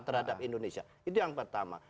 terhadap indonesia itu yang pertama